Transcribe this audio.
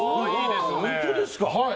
本当ですか。